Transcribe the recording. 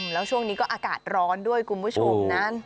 แล้วช่วงนี้ก็อากาศร้อนด้วยคุณผู้ชมนะ